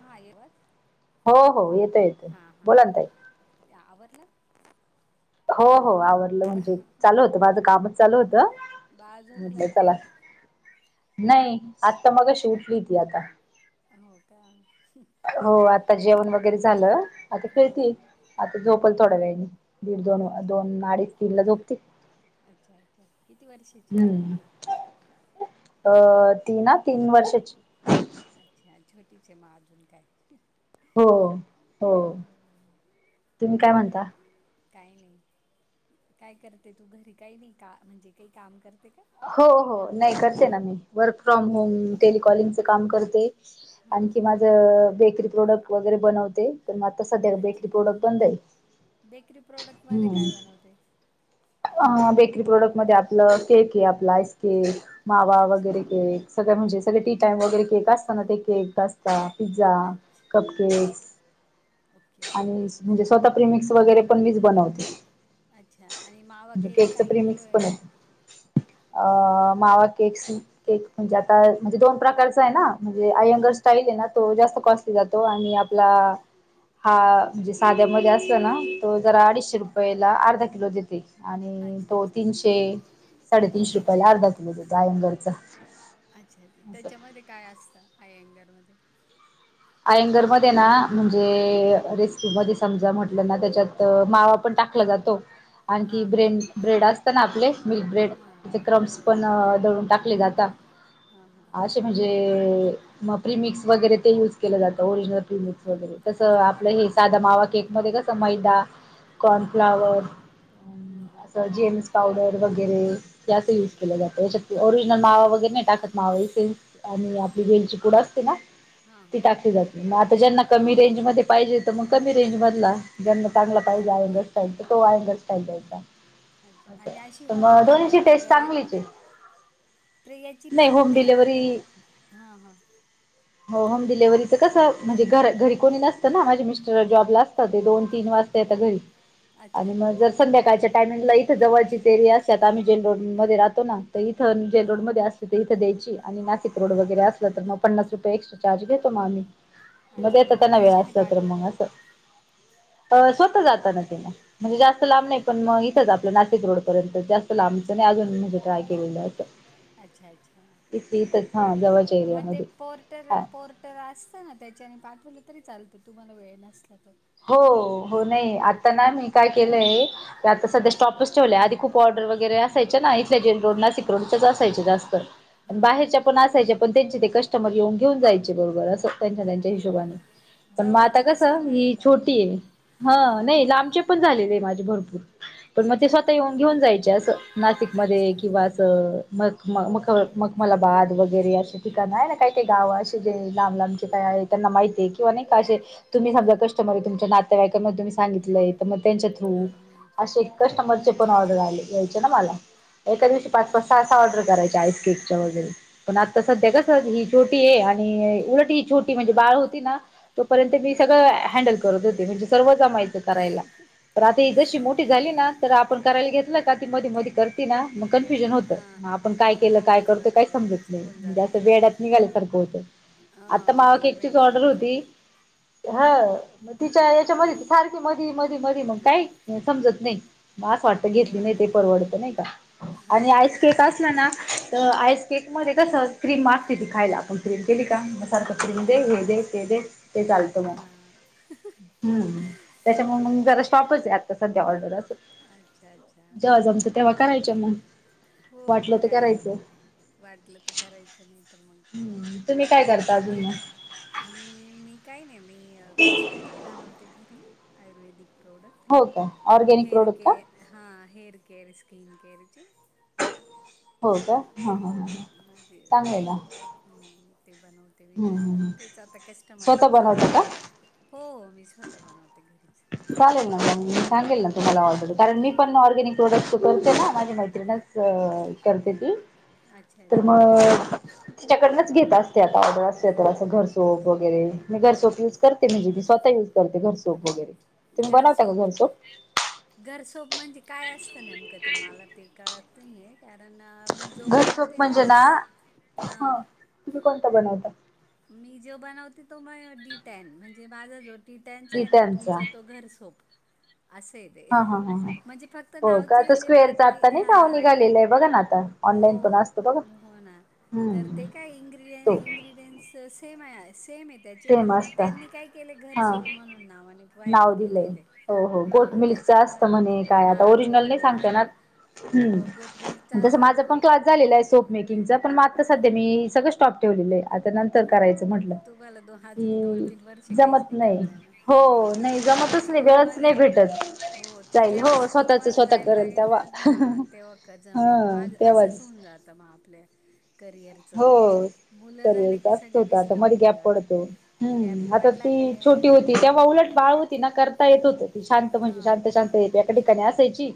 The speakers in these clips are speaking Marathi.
हा येवच हो हो येतो येतो बोला त ये आवडलं हो हो आवड म्हट म्हणजे चालू होत माझं कामच चालू होतं बाळ झोपलं म्हट का चला नाही आताता मग श उठली ती आता हो का हो आता जेवण वगैरे झालं आता हा खेळती आता झोपल थोड्या वेळाने दीड दोन अच्छा दोन अडीच तीन ला झोपते अच्छा अच्छा किती वर्षाची आहे हम्म अ ती ना तीन वर्षाची अच्छा छोटीच मा अजून काय हो हो हम्म, तुम्ही काय म्हणता काय नाही काय करते तू घरी काही नाही का म्हणजे काही काम करते का हो हो नाही करते ना मी वर्क फ्रॉम होम टेलिकॉलिंगच काम करते हा आणखी माझ बेकरी प्रोडक्ट वगैरे बनवते तर मग आता सध्या अच्छा बेटरी अच्छा प्रोडक्ट बंदई बेकरी प्रोडक्टमध्ये काय हम्म बनवते बेकरी प्रोडक्ट मध्ये आपलं केक आहे आपला आईस्के मावा अच्छा वगैरे के सगळं म्हणजे सगळे टी टाइम वगैरे केक असताना ते केक ता पिझ्झा अच्छा कप केक ओके आणि ओके म्हणजे स्वतः प्रिमिक्स वगैरे पण मीच बनवते अच्छा आणि मावा म्हणजे केक केकच काय किलो प्रिमिक्स आहे पण अ मावा केक्स केक म्हणजे आता म्हणजे दोन प्रकारच आहे ना म्हणजे आय्यंगर हां स्टाईल आहे ना तो जास्त कॉस्टली जातो आणि आपला हा म्हणजे साध्यामध्ये असत ना तो जरा हां अडीचशे रुपयेला अर्धा किलो देते आणि अच्छा तो अच्छा तीनशे साडेतीीनशे अच्छा रुपयाला अर्धा तुम कायंघरचा अच्छा अच्छा त्याच्यामध्ये काय असतं आय एंगरमध्येध्ये आयंगर मध्ये ना म्हणजे र क म समजा म्हटलं ना त्याच्यात मावा पण टाकला जातो आणखी हां हां ब्रेड ब्रेड असत ना आपले मिल्क ब्रेड हां तिथे हो क्रम्स पण दळून टाकले जातात हा हा असे म्हणजे मग प्रिमिक्स वगैरे ते यूज केलं जातं ओरिजिनल प्रिमिक्स वगैरे तसं अच्छा अच्छा आपलं हां हे साधा मावा केक मध्ये कसं मैदा हां हां कॉर्नफ्लावर हां हां असं जेएम पावडर वगैरे याच यूज हं केले जातं त्याच्यात ओरिजिनल मावा वगैरे नाही टाकत मावा ह सेल्स आणि आपली वेलची कुडं असते ना हां ती हां हां टाकली जाते मग आता ज्यांना अच्छा कमी रेंजमध्ये पाहिजे तर मग कमी रेंजमधला ज्यांना चांगला पाहिजे अच्छा आयंगर स्टाईल तो आयंगर स्टाईल द्यायचा अच्छा असं आणि अशी तर होम मग दोन्हीची डिलिव्हरी टेस्ट वगैरे चांगलीच आहे प्रियाची पण होम नाही आता डिलेव्हरी हा हां हो डिलेव्हच कसं म्हणजे घ घरी कोणी नसतं ना माझे मिस्टर जॉब ला असतं ते दोन तीन वाजता येत घरी अच्छा आणि मग अच्छा जर संध्याकाळच्या टायमिंगला इथे जवळची ते एरी असत तर आम्ही जेंलोड मध्ये राहतो ना तर इथं जे हां रोडमध्येध्ये असले ते इथं द्याची आणि नाशिक रोड वगैरे असलं तर मग पन्नास रुपये एक्स्ट्रा चार्ज घेत म् मध्ये अच्छा आणि आता मग त्यांना वेळ कशाने असतात पाठवता मग असं अ स्वत जात ना तिन म्हणजे जास्त ओ लाभ नाही पण मग इथंच आपलं नाशिक रोडपर्यंत जास्त लांबचं आणि अजून म्हणजे ट्राय केलेलं होतं अच्छा अच्छा बरं जवळच्या मग ते एरियामध्ये पोर्टर हा पोर्ट तर असतं ना त्याच्याने पाठवलं तरी चालतं तुम्हाला वेळ नसला तर हो हो नाही आता ना मी काय केलंय ते आता सध्या स्टॉपच ठेवल्या आधी खूप ऑर्डर वगैरे असायच्या ना इथल्या जे रोड नासिक रोड त्याच असायचे जास्कर हा हा बाहेरच्या पण असायच्या पण त्यांचे ते कस्टमर येऊन घेन जायचे बरोबर अस हो त्यांच्या हिशोबाने पण मग आता जवळचे कस ह कस्टमर येतात ना छोटी आहे हा नाही लांबचे पण झालेले माझे भरपूर पण मग ते अच्छा स्वतः येऊन घेऊन जायचे असं अच्छा नाशिकमध्येध्ये किंवा असं मग मग मग मगमाला बाद वगैरे असे ठिकाणं आहे ना काही काही गावं असे जे लांब लांबचे काय आहेत त्यांना माहितीे किंवा नाही का अे तुम्ही समा कटमर आहे तुमच्या नाते्यावाईकांना तुम्ही सांगितलंय तर मग त्यांच्या थ्रू हा हा असे कस्टमरचे पण अच्छा अच्छा ऑर्डर आले यायचे ना मला एका दिवशी पाच पाच अच्छा सहा असा ऑर्डर करायचा आईसकेकच्या वगैरे पण आता सध्या कस हो ही का ज आणि उलटीी छोटी म्हणजे बाळ होती ना तोपर्यंत मी हा सगळं क तर आपण करायला घेतलं का ती म म कर ना हा होतग आपण काय हो के काय करत बरोबर काही आहे समत नाही चुकून म्हणजे असं जातं ना वेड्यात निघाल्यासारखं होतं हा आता मावा केकचीच मेजरमेंट ऑर्डर चुकून होती जातं हा मग तिच्या याच्यामध्ये सारखी मधी मधी मधी मग काही समजत नाही म असं वाटतं घेतली हो नाही ना ते परवडत नाही का हा आणि तेच आईसकक असला ना तर आईस केक मध्ये कस क्रीम मारती ती खायला आपण क्रीम केली का सारख हा फिंग दे हा हे दे ते दे ते चालतो मग ह हम् त्याच्यामुळे मग जरा शॉपच आहे आता सध्या ऑर्डर अस अच्छा अच्छा जेव्हा जमतं तेव्हा करायचं मग हो वाटलं मग तर काय करायचं वाटलं तर करायचं नाही तर मग हम्म तुम्ही काय करता आता अजून तेी मग मी मी काय नाही मी कॉस्मॅटिक बनवते घरी आयुर्वेदिक प्रोडक्ट हो का ऑर्गॅनिक हेअर रोड का केअर हां हेअर केअर स्कीिन केअरची हो का हा हा हो हा माझे चांगलं आहे ना हम्म ते बनवते मी हम्म घरी हम्म तेच आता स्वतः कस्टमरचे बनवता चालले का? हो मी स्वतः बनवते घरीच चालेल ना मी सांगेल ना तुम्हाला ऑलरडी कारण मी पण ऑर्गॅनिक प्रोडक्ट् करते ना माझी मैत्रीण करते ती अच्छा तर अच्छा मग तिच्याकडनंच घेत असतेतावडर असते तर असं अच्छा घरसोप अच्छा वगैरे मी घरसोप यूज हां करत ते म्हणजे ते स्वतः युज करते घरसोप वगैरे तुम्ही गर बनवता का सोप घरसोप? घरसोप म्हणजे काय असतं न नेमकं ते मला ते कळत नाहीय कारण मी जो घरसोप बनवते ना म्हणजे ह हा तुम्ही कोणता बनवता मी जे बनवते तो म डी टेन म्हणजे माझा जो ति त्यांच आहे ना गिटांचा तुमचा तो घर सोप असेच हा हा हा हा म्हणजे फक्त हो का तो नावचेजे स्क्वेअरचा बाकी आता नाही हा का ओ निघालेला आहे बघा ना आता हो ऑनलाईन पण असतो बघा हो हो ना तर हम्म ते काय इड तो इंग्र्रीडियनट्स सेम सेमेत त्याची पण सेम मग असता त्यांनी काय केले हा घरसोप म्हणून नावाने व्हायरल नाव दिलंय केलेय ते हो हो हां गोटमल्कचं त्याच्यामुळे असतं म्हणे काय आता हां ओरिजिनल घोट नाही सांगते ना मिल्कचा हो गोट मिल्कचा हम् तस असतो माझ पण तो क झालेलं आहे सोप मेकिंग च पण मात्र सध्या मी सगळं स्टॉप ठेवलेलं आहे आता नंतर करायचं म्हटलं तुम्हाला दो अजून दोन हम्म तीन वर्ष काहीच जमत नाही करताय ना हो नाही ती जेव्हा जमतच नाही वेळच स्कूलमध्ये नाही भेटत हो ती जाईल हो जेव्हा स्वतःच स्कूलमध्ये स्वतः जायला करेल लागेल ना तेव्हा हा तेव्हा हा जमेल माझ असंच तेव्हाच होऊन जात मग आपल्या करिअर हो करेलच होत आता डिस्टर्ब मध्ये होऊन गॅप जातं पडतो गॅप आता पडला ती काय छोटी होती तेव्हा उलट बाळ ति ना करता येत होत ती शांत म्हणजे हां शांत शांत एका ठिकाणी असायची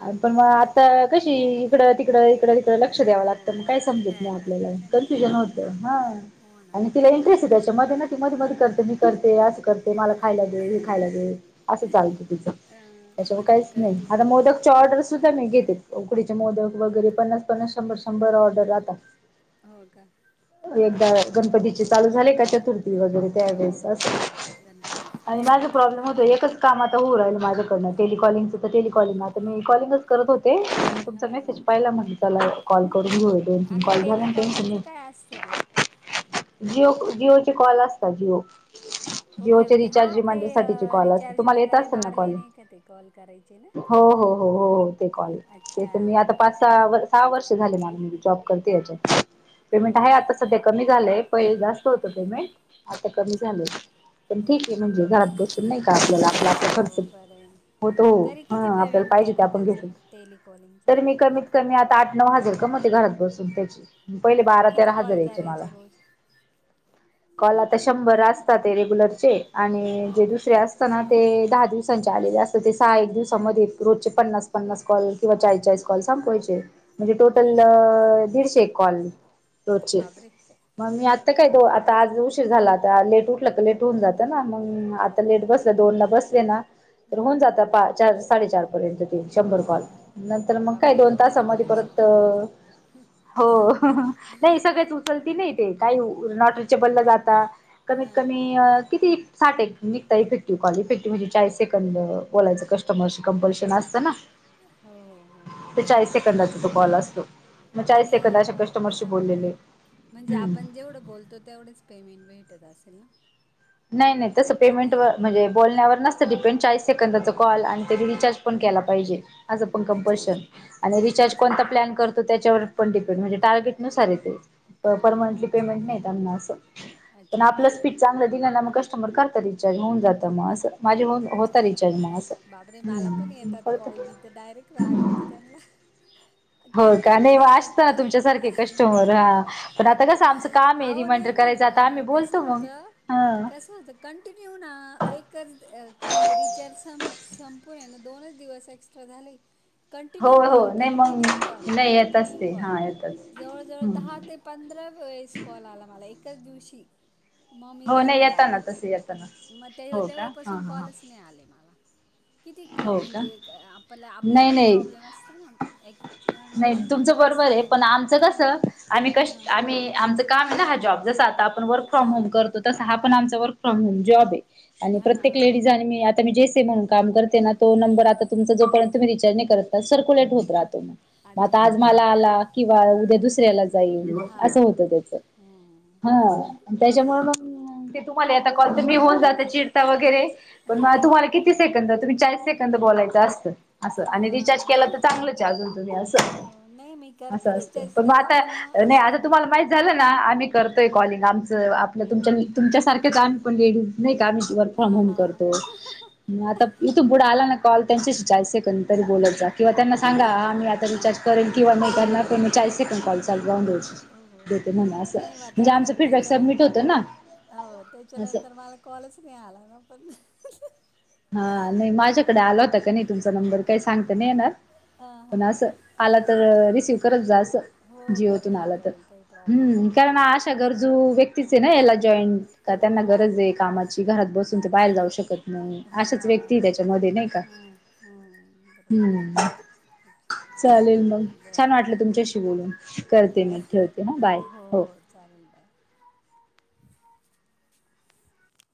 आणि पण मग कशी इकडं तिकडं इकडं तिकडं लक्ष द्यावं हो लागतं मग काय आता समजेल आपलं खेळायला आपल्याला लागली ना ती कन्फ्युजन होत ह हो ना आणि तिला इंटरेस्ट आहे त्याच्यामध्ये मध्ये मध्ये करते मी करते असं करते ते मला खायला दे हे खायला दे असं चालतं तिचं अ त्याच्यामुळे मदत काहीच नाही करते आता ती मोदक चे ऑर्डर सुद्धा मी घेते उकडीचे मोदक वगैरे पन्नास-पन्नास शंभर-शंभर ऑर्डर आता हो का एकदा गणपती चे चालू झाले का चतुर्थी वगैरे हो त्यास हो हो गणपतीच आणि माझे प्रॉब्लेम होत आहे एकच काम आता होऊन राहिल माझ्याकडंन टेलिकॉलिंगच तर टेलिकॉलिंगच आता मी कॉलिंगच करत होते तुमचा हा हा मेसेज पाहिला म्हणज त्याला कॉल करून घेऊ दोन तीन आणि का टेलिकॉलिंगचं तम काय असतं ते? जिओ जिओचे कॉल असता. जिओ ओके जिओच्या ओके हा रिचार्ज ते रिमांडर साठीची अ, कॉल असते रिचार्ज तुम्हाला येत वगैरे असेल ना मारले कॉल नाही का ते कॉल करायचे ना? हो हो हो हो हो ते कॉल ते अच्छा तर मी आता पाच सहा सहा वर्ष झाले मला माझी जॉब करतेजे पेमेंट हो आहे का आता सध्या कमी झालंय पहिला जास्त होतं हां पेमेंट आता कमी अच्छा झालंय. पण ठीक ओके आहे ओके म्हणजे घरात बसून नाही का आपल्याला आपलं आपलं हो खर्च बरंय होतो हा आपल्याला पाहिजे ते आपण घेतो टेलिकॉलिंगचं? तर मी कमी तर मी आता आठ-नऊ हजार कमवते घरात बसून त्याचे पहिले हो का किती बारा-तेरा हजार कॉल यायचे मला करायचे रोज? कॉल आता शंभर असतात ते रेगुलरचे आणि हां जे दुसरे अस असताना ते दहा दिवसांचे आलेले असतात ते सहा एक दिवसामध्ये रोजचे पन्नास-पन्नास कॉल किंवा चाळीस-चाळीस कॉल संपवायचे म्हणजे अरे टोटल बापरे दिडशे कॉल रोजचे बापरे मग मी आता काय आता आज उशी उशीर झाला आता लेट उठल की लेट होऊन जात. मग हो आता लेट बरोबर बसले दोनला बसले ना तर हां होऊन जात पाच चार साडेचार पर्यंत. शंभर काॅल हो. नंतर मग काय बापरे दोन एवढ्या तासामध्ये लोकांशी परत बोलायचं हो अहहह सगळच उचलती नाही ते काही नॉट रिचेबल ला जातात. कमीत हा. कमी किती साठ हे नुसता इफेक्टिव्ह कॉल इफेक्टिव्ह म्हणजे चाळी सेकंद बोलायचं कस्टमरशी कंपल्शन असतं ना हो हो ते चाळीस सेकंदाचा तो कॉल असतो. मग चाळीस आणि अ सेकंद अशा कस्टमरशी ह बोललेले म्हणजे हम्म आपण जेवढं बोलतो तेवढेच पेमेंट भेटत असेल ना. नाही नाही तसं की पेमेंट नाही? व म्हणजे बोलण्यावर नसत. डिपेंड चाळीस सेकंदाचा कॉल आणि त्यांनी रिचार्ज पण केला पाहिजे. असं पण अच्छा कंपल्शन अच्छा आणि रिचार्ज अच्छा. कोणता प्लॅन करत त्याच्यावर पण डिपेंड आहे म्हणजे टार्गेट नुसार आहे ते. हा परमनंटली अच्छा पेमेंट नाही त्यांना असं पण अच्छा आपलं अच्छा. स्पीक चांगलं दिलाना मग कस्टमर करत रिचार्ज होऊन जातं मग असं. माझे होउ अच्छा होतात अच्छा रिचार्ज मग बापरे मला पण असं येतात कळत कॉल मी तर डायरेक्ट रागवते त्यांना हो का कंटिन्यू नाही असत तुमच्यासारखे कस्टमर हा पण आता कसं आमचं काम आहे अहो रिमाइंडर करायचं आता आम्ही बोलतो मग. हा कस होत कंटिन्यू ना एकच अ म्हणजे रिचार्ज संपून हेना दोनच दिवस एक्स्ट्रा झाले. हो कंटिन्यू हो कॉल, नाही मग कंटिन्यू कॉल, नाही येतच कंटिन्यू ते कॉल हा येतच जवळ जवळ दहा ते हम्म पंधरा वेळेस कॉल आला मला एकाच दिवशी. मग मी हो नाही त्यांना येताना रागवले तसे येताना मग ते हो का हा तेव्हापासून हा हा कॉलच नाही आले मला. किती क हो का म्हणजे आपल्याला आपले नाही पण नाही प्रॉब्लेम असतं ना एक अं, नाही दोन तुमचं नंबर बरोबर आहे पण असल्यामुळं आमचं हां कसं. आम्ही हां कष्ट आम्ही आमचं काम आहे ना हा जॉब जस आता आपण वर्क फ्रॉम होम हां करतो. तसा हा पण आमचा वर्क फ्रॉम होम जॉब आहे आणि हां प्रत्येक हां लेडीज आणि मी जेसी म्हणून काम करते. त्यांना तो नंबर आता तुमचा जोपर्यंत तुम्ही रिचार्ज नाही करत तर सर्कुलेट होत राहतो. मग आता अच्छा आज अच्छा मला आला किंवा उद्या दुसऱ्याला जाईल असं हां होतं बरोबर त्याच. हम्म ह त्याच्यामुळे मग ते तुम्हाला येता कॉल म्हणून ते होऊन जातं चिडता वगैरे पण हां माझं हां तुम्हाला किती किती सेकंद तुम्ही चाळीस सेकंद बोलायचं असतं. असं आणि रिचार्ज हां केलं तर चांगलंच अजून तुम्ही हो असं नाही मी असं करते असतं. रिचार्ज म त्याला आता पण मग नाही असं आता तुम्हाला माहित झालं ना आम्ही करतोय कॉलिंग आमच आपलं तुमच्या तुमच्यासारख आम्ही पण लेडीज नाही का आम्ही पण वर्क फ्रॉम हां होम हां हां करतो मग आता इथून पुढे आला ना कॉल त्यांच्याशी चाळीस सेकंद तरी बोलत जा किंवा त्यांना सांगा बरं आम्ही बरं आता रिचार्ज करेल किंवा त्यांना पण चाळीस सेकंद पाहिजेत हो देते म्हण अस नाही मग म्हणजे तेव्हा आमच नंतर फीडबॅक त्याच्यान सबमिट होत ना. हो असं त्याच्यानंतर मला कॉलच नाही आला ना पण. हा नाही माझ्याकडे आला हां होता का नाही तुमचा नंबर काही सांगता नाही येणार. हां पण असं आला हां तर अच्छा अच्छा रिसिव करत जा हो असं जीओतून करेल ना आला तर करेल काही प्रॉब्लेम नाही हम्म कारण करेल अशा गरजू व्यक्तीचे ना याला जॉईंट का हो त्यांना हो गरज आहे कामाची घरात बसून तर बाहेर जाऊ शकत नाही हो अशाच ना हो व्यक्ती त्याच्यामध्ये नाही का हम्म, हम्म, बरोबर हम् अच्छा चालेल मग छान बरं वाटलं चालेल तुमच्याशी बोलून करते मी ठेवते ह बाय हो चालेल बाई